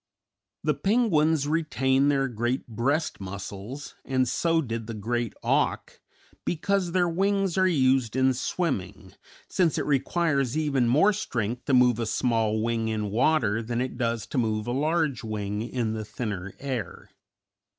The penguins retain their great breast muscles, and so did the Great Auk, because their wings are used in swimming, since it requires even more strength to move a small wing in water than it does to move a large wing in the thinner air.